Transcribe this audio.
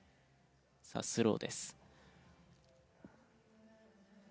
さあスローです。